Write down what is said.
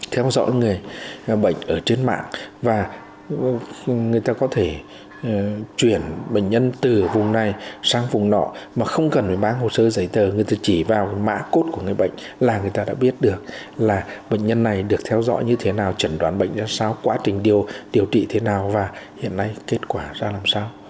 theo dõi người bệnh ở trên mạng và người ta có thể chuyển bệnh nhân từ vùng này sang vùng nọ mà không cần phải mang hồ sơ giấy tờ người ta chỉ vào mã cốt của người bệnh là người ta đã biết được là bệnh nhân này được theo dõi như thế nào chẩn đoán bệnh ra sao quá trình điều trị thế nào và hiện nay kết quả ra làm sao